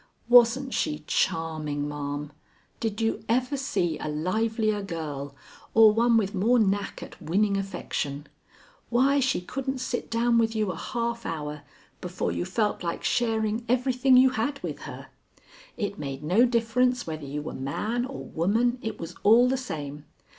Wasn't she charming, ma'am? Did you ever see a livelier girl or one with more knack at winning affection? Why, she couldn't sit down with you a half hour before you felt like sharing everything you had with her. It made no difference whether you were man or woman, it was all the same.